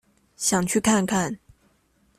想去看看